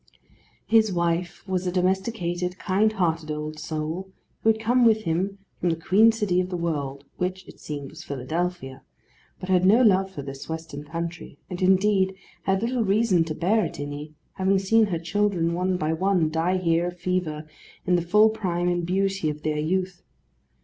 His wife was a domesticated, kind hearted old soul, who had come with him, 'from the queen city of the world,' which, it seemed, was Philadelphia; but had no love for this Western country, and indeed had little reason to bear it any; having seen her children, one by one, die here of fever, in the full prime and beauty of their youth.